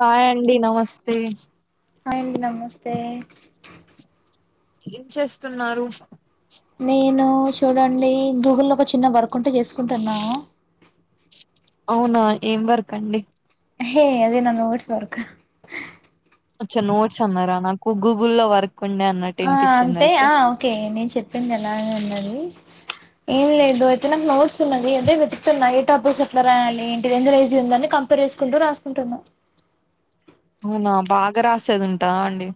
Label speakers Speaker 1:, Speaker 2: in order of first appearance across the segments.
Speaker 1: కాయ్ అండి నమస్తే
Speaker 2: హాయ్ అండి నమస్తే
Speaker 1: ఏం చేస్తున్నారు
Speaker 2: నేను చూడండి గూగుల్లో ఒక చిన్న వర్క్ ఉంటే చేసుకుంటున్నా
Speaker 1: అవునా ఏం వరకండి
Speaker 2: హే అదే నా ఓడ్స్వర్క
Speaker 1: వచ్చా నోట్స్ అన్నారా నాకు గూగుల్లో వర్క్ ఉండే అన్నట్
Speaker 2: ఆ అంతే ఆ ఓకే నేను చెప్పింది ఎలాగ ఉన్నది ఏం లేదు ఎయితేనా ఫ్ నోట్స్ ఉన్నది అదే వెతున్నాయి నైటాపుస్ ఎట్లా రాయాలి ఏంటి రజీ ఉందని కమ్ రేసుకుంటూ రాసుకుంటున్నాను
Speaker 1: అవునా బాగా రాసేదుంట అండి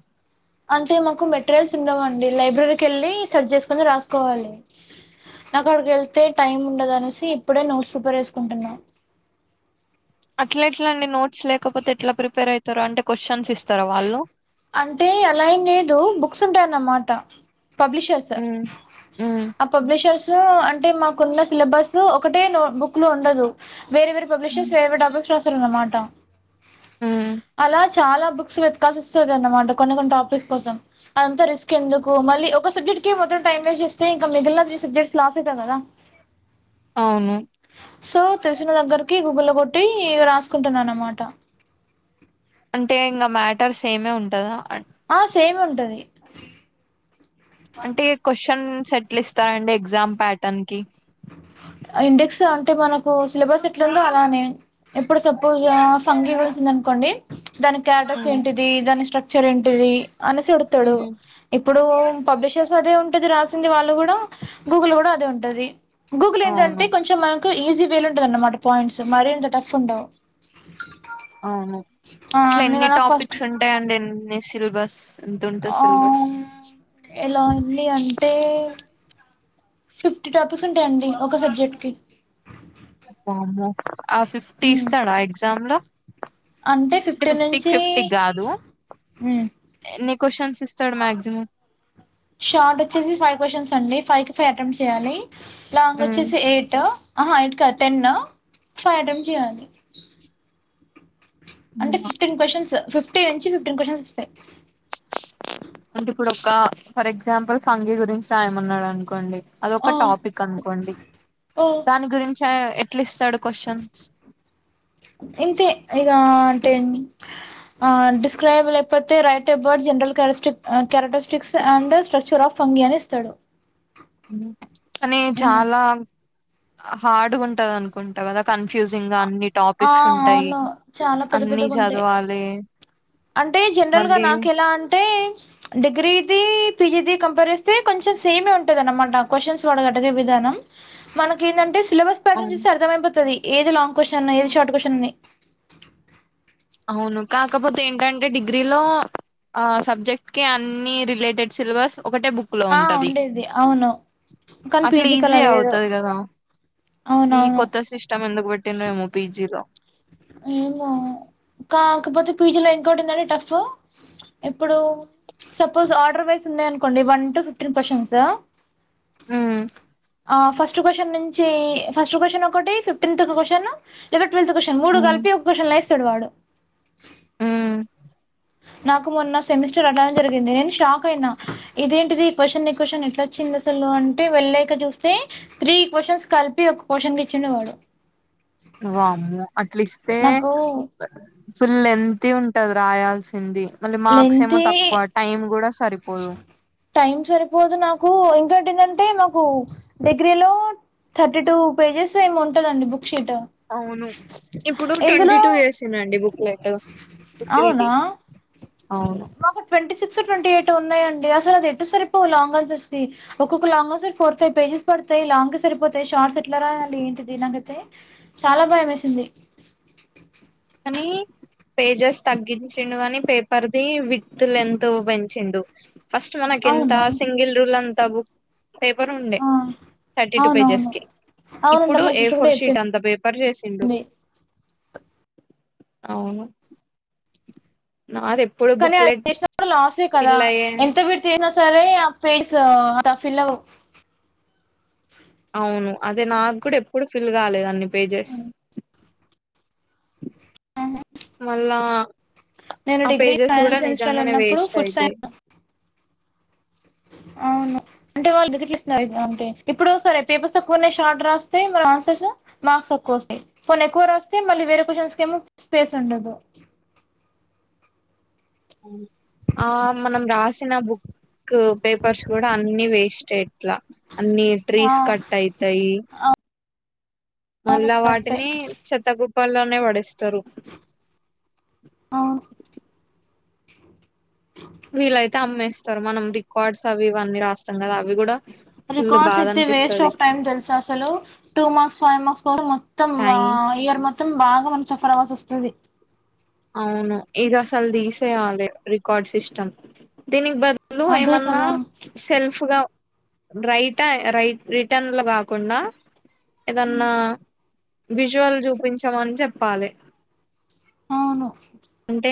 Speaker 2: అంటే మాకు మెటీరియల్స్ ఉండవు అండి లైబ్రరీకి వెళ్ళి సెర్చ్ చేసుకొని రాసుకోవాలి నాక్ అక్కడికి వెళ్తే టైమ్ ఉండదు అనేసి ఇప్పుడే నోట్స్ ప్రిపేర్ చేసుకుంటున్నా
Speaker 1: అట్ల ఎట్ల అండి నోట్స్ లేకపోతే ఎట్లా ప్రిపేర్ అవుతారు అంటే కోషన్స్ ఇస్తారా వాళ్లు
Speaker 2: అంటే అలా ఏం లేదు బుక్స్ ఉంటాయన్నమాట పబ్లిష్
Speaker 1: ఉ ఉ
Speaker 2: పబ్లిషర్స్ అంటే మాకున్న సిలబస్ ఒకటే నోట్ బుక్కులో ఉండదు వేరే వేరే పబ్లిషర్స్ వేరే వేరే టాపిక్స్ రాసారు అన్నమాట
Speaker 1: ఉమ్
Speaker 2: అలా చాలా బుక్ బుక్స్ వెతకాల్సిస్తుంది అన్నమాట కొన్ని కొన్ని టాపిక్స్ కోసం అంతా రిస్క్ ఎందుకు మళ్లీ ఒక సబ్జెక్ట్ కి మొత్తం టైమ్ వేస్ట్ చేస్తే ఇంకా మిగిలిన అన్ని సబ్జెక్ట్స్ లాస్ అయితం కదా
Speaker 1: అవును
Speaker 2: సో తెలిసిన దగ్గరికి గూగుల్లో కొట్టి రాసుకుంటున్నా అనమాట
Speaker 1: అంటే ఇంకా మ్యాటర్స్ సేమే ఉంటదా
Speaker 2: ఆ సేమ్ ఉంటది
Speaker 1: అంటే క్వశ్చన్స్ ఎట్ల ఇస్తారండి ఎగ్జామ్ ప్యాటన్కి
Speaker 2: ఆ ఇండెక్సు అంటే మనకు సిలబస్ ఎట్లుందో అలానే ఇప్పుడు సపోజ్ ఫంగీవేసింది అనుకోండి దాని క్యాటస్
Speaker 1: ఉమ్
Speaker 2: ఏంటిది దాని స్ట్రక్చర్ ఏంటిది అనేసి అడుగుతాడు
Speaker 1: ఉమ్,
Speaker 2: ఇప్పుడు పబ్లిషర్స్ అదే ఉంటది రాసింది వాళ్ళుకూడా గూగుల్లో కూడా అదే ఉంటది గూగుల్ ఏందంటే
Speaker 1: అవును
Speaker 2: కొంచెం మనకు ఈజీ వేలో ఉంటంది అన్నమాట పాయింట్స్ మరి అంతా టఫ్ ఉండవు ఆ అందుగన ఫస్ట్
Speaker 1: టేన్డ్ ఎన్ని సిలబస్ ఎంత ఉంటుంది సిలబస్
Speaker 2: ఆహ్ ఎలా ఉంది అంటే ఫిఫ్టీ టాపిక్స్ ఉంటాయండి ఒక సబ్జెక్టుకి
Speaker 1: వామ్మో ఆ ఫిఫ్టీ
Speaker 2: ఉమ్.
Speaker 1: ఇస్తాడా ఎగ్జామ్లో
Speaker 2: అంటే
Speaker 1: టే
Speaker 2: ఫిఫ్టీన్
Speaker 1: ఫిఫ్టీక్
Speaker 2: నుంచి
Speaker 1: ఫిఫ్టీ గాదు ఎన్ని క్వశ్చన్స్ ఇస్తాడు మాక్సిమం
Speaker 2: షార్ట్ వచ్చేసి ఫైవ్ క్వశ్చన్స్ అండి ఫైవ్ కి ఫైవ్ ఎటెంమ్ చేయాలి లాంగ్ వచ్చేసి ఎయిటు ఆహా ఎయిట్ కాదు టెన్ ఫైవ్ ఎటెంమ్ చేయ్యాలి అంటే ఫిఫ్టీన్ క్వశ్చన్సు ఫిటీ నుంచి ఫిఫ్టీటీన్ క్వశ్చన్స్ వస్తాయి
Speaker 1: అంటే ఇప్పుడు ఒక ఫర్ ఎగ్జాంపుల్ ఫంగయ్ గురించి రాయమన్నాడు అనుకోండి
Speaker 2: ఆ,
Speaker 1: అదొక టాపిక్ అనుకోండి
Speaker 2: ఆ,
Speaker 1: దాని గురించి ఎట్లా ఇస్తాడు క్వశ్చన్స్
Speaker 2: ఇంతే ఇగా అంటే ఏం అ డిస్క్రైబ్ లేకపోతే write about general characteristic a characteristics and structure of fungi అనే ఇస్తాడు
Speaker 1: అని
Speaker 2: ఉమ్.
Speaker 1: చాలా హార్డ్ ఉంటది అనుకుంటా కదా కన్ఫ్యూజింగ్గా అన్ని
Speaker 2: ఆ,
Speaker 1: టాపిక్స్ ఉంటాయి
Speaker 2: అవును చాలా పెద్ద
Speaker 1: అన్ని
Speaker 2: పెద్దగా ఉంటాయి
Speaker 1: చదవాలి
Speaker 2: అంటే జనరల్గా
Speaker 1: మళ్ళీ
Speaker 2: నాకు ఎలా అంటే డిగ్రీది పీజీది కంపేర్ చేస్తే కొంచెం సేమే ఉంటంది అన్నమాట క్వశ్చన్స్ వాడు అడిగే విధానం మనకి ఏందంటే సిలబస్ ప్యాటర్న్
Speaker 1: అవును
Speaker 2: చూస్తే అర్థం అయిపోతది ఏది లాంగ్క్వశ్చన్ ఏది షార్ట్ క్వశ్చన్ అని
Speaker 1: అవును కాకపోతే ఏంటంటే డిగ్రీలో ఆ సబ్జెక్ట్కి అన్ని రిలేటెడ్ సిలబస్ ఒకటే బుక్లో
Speaker 2: ఆ!
Speaker 1: ఉంటది
Speaker 2: ఉండేది. అవును. కానీ
Speaker 1: అట్లా
Speaker 2: పీజీకి అలా
Speaker 1: ఈజీ
Speaker 2: లేదు.
Speaker 1: అవుతుంది కదా ఈ
Speaker 2: అవునవును.
Speaker 1: కొత్త సిస్టమ్ ఎందుకు పెట్టిండ్రు ఏమో పీజీలో
Speaker 2: ఏమో కాకపోతే పీజీలో ఇంకోటి ఉందండి టఫ్ ఎప్పుడు సపోజ్ ఆర్డర్ వేసిందే అనుకోండి వన్ టు ఫిఫ్టీన్ క్వశ్చన్సు
Speaker 1: హ్మ్
Speaker 2: ఆ ఫస్ట్ క్వశ్చన్ నించి ఫస్ట్ క్వశ్చన్ ఒకటి ఫిఫ్న్త్ ఒక క్వశ్చను లేద ట్వెల్త్ క్వశ్చన్ మూడు
Speaker 1: ఉమ్,
Speaker 2: కలిపి ఒక క్వశ్చన్ల ఇస్తాడు వాడు
Speaker 1: మ్మ్
Speaker 2: నాకు మొన్న సెమిస్టర్ అట్లనే జరిగింది నేను షాక్ అయినా ఇదేంటిది క్వశ్చన్ని క్వశ్చన్ ఎట్లా వచ్చింది అ సలు అంటే వెళ్ళక చూస్తే త్రీ క్వశ్చన్స్ కలిపి ఒక క్వశ్చన్ ఇచ్చిందేవాడు
Speaker 1: వామ్మో అట్లీస్
Speaker 2: నాకూ
Speaker 1: ఫుల్ లెన్తి ఉంటది రాయాల్సింది మళ్ళీ మార్క్సేమో
Speaker 2: లెంతీ
Speaker 1: తక్కువ టైమ్ కూడా సరిపోదు
Speaker 2: టైమ్ సరిపోదు నాకు ఇంకోటి ఎదంటే మాకు డిగ్రీలో థర్టీ టూ పేజెస్ ఏమో ఉంటదండి బుక్ షీటు
Speaker 1: అవును ఇప్పుడు ట్వంటీ టూ ఏసిండ్రండి బు లేట్ [unintelligible] అవును
Speaker 2: మాకి ట్వంటీ సిక్స్ ట్వంటీ ఎయిట్ ఉన్నాయండి అసలు ఎటు సరిపోవు లాంగ్ ఆన్సర్ ది ఒక్కొక్క long answers four five pages పడతాయి లాంగే సరిపోతాయి షార్ట్ ఎట్లా రాయాలి ఏంటిదీ నాకైతే చాలా భయమేసింది
Speaker 1: కానీ పేజెస్ తగ్గించిండు గానీ పేపర్ది విడ్త్ లెంత్ పెంచిండు ఫస్ట్ మనకెంత
Speaker 2: అవునా
Speaker 1: సింగిల్ రూల్డ్ అంత బు పేపర్ ఉండే
Speaker 2: ఆ,
Speaker 1: థర్టీ టూ పేజెస్
Speaker 2: అవునవును
Speaker 1: కి
Speaker 2: అవునంట
Speaker 1: ఇప్పుడు
Speaker 2: మా
Speaker 1: ఏ
Speaker 2: సిస్టర్ కూడా
Speaker 1: ఫోర్ షీట్
Speaker 2: చెప్పింది
Speaker 1: అంత పేపర్ కర్రీ చేసిండు అవును నాది ఎప్పుడు
Speaker 2: కానీ అది
Speaker 1: బుక్లెట్
Speaker 2: చేసినప్పుడు లాసే కదా కదా
Speaker 1: ఫిల్ అయ్యే
Speaker 2: ఎంత పెట్ సరే పేస్ఫిలా [unintelligible]
Speaker 1: అవును అది నాకు కూడా ఎప్పుడు ఫిల్ కాలే అన్ని పేజెస్
Speaker 2: ఆహా
Speaker 1: మళ్ళా ఆ పేజెస్ కూడా
Speaker 2: ఫైనల్ సెమిస్టర్లో
Speaker 1: నిజంగానే
Speaker 2: ఉన్నప్పుడు
Speaker 1: వేస్ట్
Speaker 2: ఫుడ్
Speaker 1: అయితే
Speaker 2: సైన్స్ అవును అంటే వాళ్ళు దిదిరిలిస్తున్నారు [unintelligible] అంటే ఇప్పుడు సరే పేపర్స్ తక్కువ ఉన్నాయి షార్ట్ రాస్తే మరి ఆన్సర్స్ మార్క్స్ తక్కువ వస్తాయి పోనీ మరి ఎక్కువ రాస్తే మళ్లీ వేరే క్యూస్షన్స్ కి ఏమో పేస్ ఉండదు
Speaker 1: ఆ మనం రాసిన బుక్ బుక్ పేపర్స్ కూడా అన్ని వేస్తే ఎట్లా అన్ని
Speaker 2: ఆ
Speaker 1: ట్రీస్ కట్ అయితాయి
Speaker 2: అవును
Speaker 1: మళ్ళా
Speaker 2: కరెక్టే
Speaker 1: వాటిని చెత్త కుప్పల్లోనే పడేస్తారు
Speaker 2: ఆ
Speaker 1: వీలైతే అమ్మేస్తారు మనం రికార్డ్స్ అవివన్నీ రాస్తుండగా అవి కూడా ఫుల్
Speaker 2: రికార్డ్స్
Speaker 1: బాధ
Speaker 2: అయితే వేస్ట్
Speaker 1: అనిపిస్తది
Speaker 2: ఆఫ్ టైమ్ తెలుసా అసలు two marks five marks four మొత్తం ఆ
Speaker 1: టై
Speaker 2: ఇయర్ మొత్తం బాగా మనం సఫర్ అవ్వాల్సో స్తాది
Speaker 1: అవును ఇది అసల్ తీసేయాలి రికార్డ్ సిస్టమ్ దీనికి బదులు బదులు
Speaker 2: అదే
Speaker 1: ఏమన్నా
Speaker 2: కదా
Speaker 1: సెల్ఫ్ గా రైటా రై రిటర్న్లు కాకుండా ఏదన్నా
Speaker 2: ఉమ్,
Speaker 1: విజువల్ చూపించమని చెప్పాలి
Speaker 2: అవును
Speaker 1: అంటే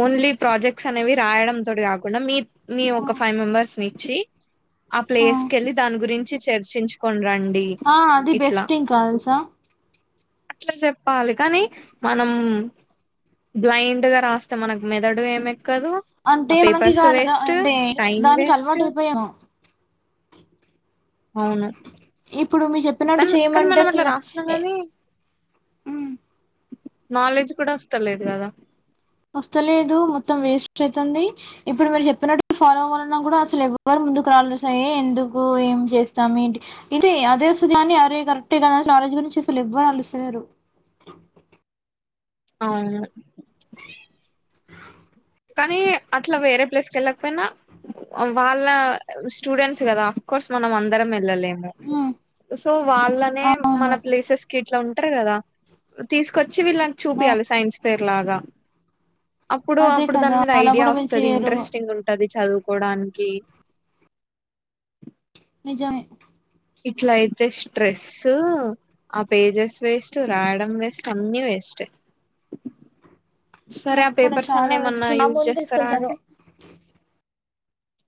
Speaker 1: ఓన్లీ ప్రాజెక్ట్స్ అనేవి రాయడం తోటి కాకుండా మీ మీ
Speaker 2: ఆ
Speaker 1: ఒక ఫైవ్ మెంబెర్స్ నిచ్చి ఆ ప్లేస్ కెళ్ళి దాని గురించి చర్చించుకొని రండి
Speaker 2: ఆ అది బెస్ట్ ఇంకా తెలుసా
Speaker 1: అట్ల చెప్పాలి కానీ మనం బ్లైండ్ గా రాస్ అంత మనకు మెదడు ఏం ఎక్కదు
Speaker 2: అంటే
Speaker 1: ఆ
Speaker 2: మనకి
Speaker 1: పేపర్స్
Speaker 2: కాదు దా-
Speaker 1: వేస్ట్
Speaker 2: అంటే
Speaker 1: టైం
Speaker 2: దానికి
Speaker 1: వేస్ట్
Speaker 2: అలవాటు అయిపోయాము
Speaker 1: అవును
Speaker 2: ఇప్పుడు మీరు చెప్
Speaker 1: తన్ కానీ మనం అట్లా రాస్తున్నాం గానీ
Speaker 2: హ్మ్.
Speaker 1: నాలెడ్జ్ కూడా వస్తలేదు కదా
Speaker 2: వస్తలేదు మొత్తం వేస్ట్ అయితాంది ఇప్పుడు మీరు చెప్పినట్టు ఫాలో అవ్వాలన్నా కూడా అసలు ఎవరు ముందుకు రాలేదు సాయి ఎందుకు ఏం చేస్తామేంటి ఇదే అదేస్తుంది అని అరే కరెక్టే కదా అసలు కలేజ్ గురించి అసలు ఎవ్వరు ఆలోచిస్తలేరు
Speaker 1: అవును కానీ అట్లా వేరే ప్లేస్ కి వెళ్ళకపోయినా వాళ్ళ స్టూడెంట్స్ కదా అఫ్ కోర్స్ మనం అందరం వెళ్ళలేము
Speaker 2: హ్మ్.
Speaker 1: సో వాళ్ళనే
Speaker 2: అవును.
Speaker 1: మన ప్లేసెస్ కి ఇట్లా ఉంటారు కదా తీసుకొచ్చి వీళ్ళకి
Speaker 2: ఆ!
Speaker 1: చూపియాలి సైన్స్ పేరు లాగా అప్పుడు
Speaker 2: అదే
Speaker 1: అప్పుడు దాని
Speaker 2: కదా
Speaker 1: మీద
Speaker 2: అలా
Speaker 1: ఐడియా
Speaker 2: కూడా వీళ్ళు
Speaker 1: వస్తుంది
Speaker 2: చేయరు.
Speaker 1: ఇంట్రెస్టింగ్ ఉంటది చదువుకోడానికి
Speaker 2: నిజామే
Speaker 1: ఇట్ల అయితే స్ట్రెస్ ఆ పేజెస్ వేస్ట్ రాయాడమ్ వేస్ట్ అన్నీ వేస్ట్ సరే ఆ
Speaker 2: మాకు కూడా
Speaker 1: పేపర్స్
Speaker 2: చాలా
Speaker 1: అన్ని
Speaker 2: వేస్ట్
Speaker 1: ఏమన్నా
Speaker 2: నా
Speaker 1: యూజ్
Speaker 2: ముందు
Speaker 1: చేస్తారా
Speaker 2: తీసుకుంటారు.
Speaker 1: అంటే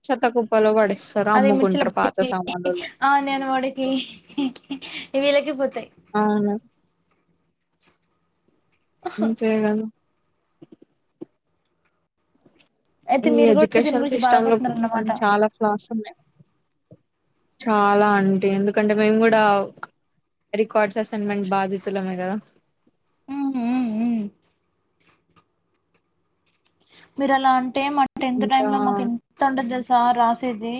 Speaker 1: చెత్త కుప్పలో పడిస్తారు అమ్ముకుంటారు పాత సామానులు
Speaker 2: ఆ నేను వాడకి వీళ్ళకి పోతాయి
Speaker 1: అవును ఉచేయగలను
Speaker 2: అయితే
Speaker 1: ఈ
Speaker 2: మీరు కూడా దీని
Speaker 1: ఎడ్యుకేషన్
Speaker 2: గురించి
Speaker 1: సిస్టమ్ లో కొన్ని
Speaker 2: బాధపడుతున్నారన్నమాట.
Speaker 1: చాలా క్లాస్ ఉన్నాయి చాలా అంటే ఎందుకంటే మేము కూడా రికార్డ్స్ అసైన్మెంట్ బాధితులమే కదా
Speaker 2: ఉ ఊ ఊ మీరు అలా అంటే మా టెన్త్ టై
Speaker 1: ఇంకా
Speaker 2: లో మాకు ఎంత ఉంటంది తెలుసా రాసేది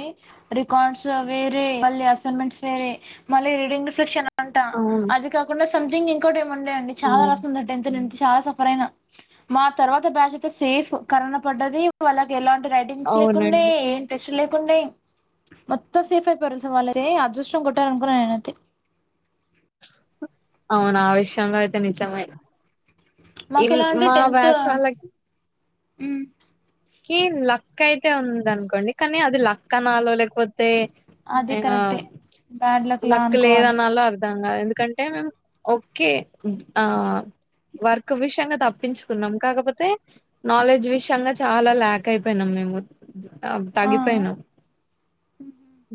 Speaker 2: రికార్డ్స్ వేరే మళ అసైన్మెంట్స్ వేరే మళ్ళీ రీడింగ్ ఫక్షన్ అంటా
Speaker 1: అవును
Speaker 2: అది కాకుండా సంథింగ్ ఇంకోటి ఏమి ఉండే అండి చాలా రాస
Speaker 1: అవును
Speaker 2: ఉంది టెన్త్ నుంచి చాలా సఫర్ అయినా మా తర్వాత బ్యాచ్ అయితే సేఫ్ కరోనా పడ్డది వాళ్ళకి ఎలాంటి రైట్ థింగ్స్ లేకుండే
Speaker 1: అవునండి
Speaker 2: ప్రెషన్ లేకుంటె మొత్తం సేఫ్ అయిపోరు వాళ్ళతే అదృష్టం కొట్టాలే అనుకున్నాను నేనైతే
Speaker 1: అవునా ఆ విషయంగా అయితే ఇన్ నిజమైన
Speaker 2: మాకెలా
Speaker 1: మా బ్యాచ్ వాళ్ళకి
Speaker 2: ఉ
Speaker 1: కి లక్కు అయితే ఉంద అనుకోండి కానీ అది లక్కు అనాలో లేకపోతే
Speaker 2: అది
Speaker 1: అయినా
Speaker 2: కరెక్టే. బ్యాడ్ లక్‌లా
Speaker 1: లక్కు
Speaker 2: అనుకోవాలి.
Speaker 1: లేదనాలో అర్ధాంగా ఎందుకంటే అంటే మేము ఓకే ఆ వర్క్ విషయంగా తప్పించుకున్నాం కాకపోతే నాలెడ్జ్ విషయంగా చాలా ల్యాక్ అయిపోయినాం మేము
Speaker 2: ఆ! ఆ!
Speaker 1: తగ్గిపోయినా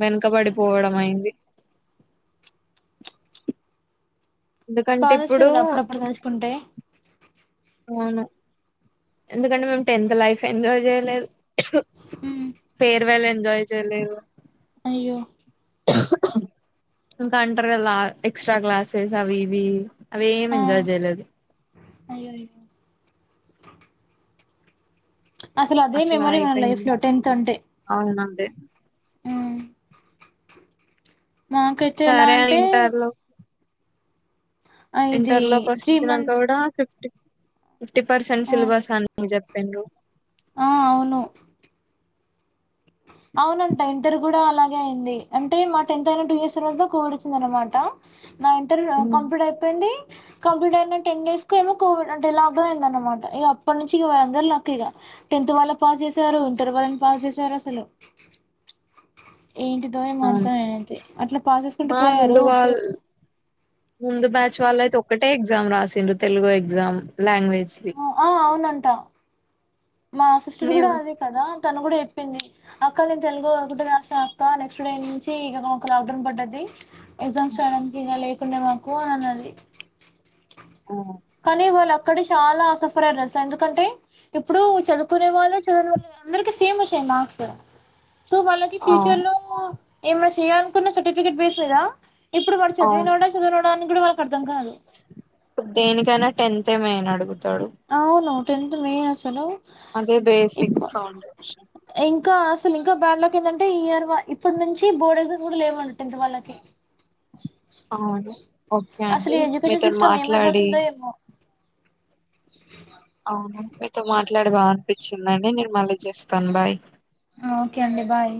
Speaker 1: వెనుకబడిపోవడం అయింది ఎందుకంటే
Speaker 2: బాధ వస్తుంది
Speaker 1: ఇప్పుడు
Speaker 2: కదా అప్పుడప్పుడు తలుసుకుంటే
Speaker 1: అవును ఎందుకంటే మేము టెన్త్ లైఫ్ ఎంజాయ్ చేయలేదు
Speaker 2: ఉ
Speaker 1: ఫేర్వెల్ ఎంజాయ్ చేయలేదు
Speaker 2: అయ్యో
Speaker 1: దగ్గు సౌండ్ ఇంకా అంటారు కలా ఎక్స్ట్రా క్లాసెస్ అవి ఇవి అవి ఏమి ఎంజాయ్ చేయలేదు
Speaker 2: అయ్యయ్యో అసలు అదే మెమరీ మన లైఫ్ లో టెన్త్ అంటే
Speaker 1: అవునండి
Speaker 2: ఆ మాకైతే ఎలా
Speaker 1: సరే అని
Speaker 2: అంటే
Speaker 1: ఇంటర్ లో
Speaker 2: ఆ ఇది
Speaker 1: ఇంటర్ లోకి
Speaker 2: త్రీ
Speaker 1: వచ్చినా
Speaker 2: మంత్స్
Speaker 1: కూడా ఫిఫ్టీ ఫిఫ్టీ పర్సెంట్
Speaker 2: ఆ
Speaker 1: సిలబస్ అని చెప్పిన్రు
Speaker 2: ఆ అవును అవునంట ఇంటర్ కూడా అలాగే అయింది అంటే మా టెన్త్ అయిన టూ ఇయర్స్ తరువాత కోవిడ్ వచ్చింద అనమాట నా ఇంటర్
Speaker 1: హ్మ్,
Speaker 2: కంప్లీట్ అయిపోయింది కంప్లీట్ అయిన టెన్ డేస్ కే ఏమో కోవిడ్ అంటే లాక్ డౌన్ అయిందన్నమాట ఇగ అప్పటి నుంచి ఇక వందరు [unintelligible] లాక్ ఇగ టెన్త్ వాళ్ళని పాస్ చేసారు ఇంటర్ వాళ్ళని పాస్ చేసారు అసలు ఏంటిదో ఏమో
Speaker 1: అవును
Speaker 2: అంతా అన [unintelligible] అట్లా పాసేసుకుంటూ
Speaker 1: మా
Speaker 2: పోయారు
Speaker 1: ముందు
Speaker 2: ఇప్పుడు
Speaker 1: వాళ్ళ ముందు బ్యాచ్ వాళ్ళ అయితే ఒక్కటే ఎగ్జామ్ రాసిండ్రు తెలుగు ఎగ్జామ్ లాంగ్వేజ్ ది
Speaker 2: ఆ అవునంట మా సిస్టర్ కూడా
Speaker 1: మేము
Speaker 2: అదే కదా తను కూడా చెప్పింది అక్క నేను తెలుగు ఒకటే రాసా అక్క నెక్స్ట్ డే నుంచి ఇక లాక్ డౌన్ పడ్డది ఎగ్జామ్స్ రాయడానికి ఇగ లేకుండే మాకు అని అన్నది
Speaker 1: ఆ
Speaker 2: కానీ వాళ్ళు అక్కడ చాలా సఫర్ అయ్యిరు తెలుస ఎందుకంటే ఇప్పుడు చదువుకునే వాళ్ళు చదువని వాళ్ళు అందరికి సేమ్ వచ్చాయి మార్క్స్ సో వాళ్ళకి
Speaker 1: ఆ,
Speaker 2: ఫ్యూచర్ లో ఏమైనా చేయనుకున్న సర్టిఫికెట్ వేస్లేదా [unintelligible] ఇప్పుడు వాడు
Speaker 1: అవును
Speaker 2: చదివినోడా చదువనోడా అని కూడా వాడికి అర్థం కాదు
Speaker 1: ఇప్పుడు దేనికైనా టెన్త్ ఏ మేయిన్ అడుగుతాడు
Speaker 2: అవును టెన్త్ మేయిన్ అసలు
Speaker 1: అదే బేసిక్
Speaker 2: ఇప్పు
Speaker 1: ఫౌండేషన్
Speaker 2: ఇంకా అసలు ఇంకా బ్యాడ్ లక్ ఎందంటే ఇయర్ ఇప్పుడు నుంచి బోర్డ్ ఎగ్జామ్స్ కూడా లేవండి టెంత్ వాళ్ళకి
Speaker 1: అవును ఓకే
Speaker 2: అసలు
Speaker 1: అండి
Speaker 2: ఈ ఎడ్యుకేషన్
Speaker 1: మీతోటి
Speaker 2: సిస్టమ్
Speaker 1: మాట్లాడి
Speaker 2: ఏమైపోతుందో ఏమో
Speaker 1: అవును మీతో మాట్లాడి బాగా అనిపించిందండి నేను మళ్ళీ చేస్తాను బాయ్
Speaker 2: ఓకే అండి బాయ్